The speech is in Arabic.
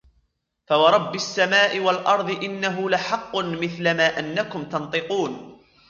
فورب السماء والأرض إنه لحق مثل ما أنكم تنطقون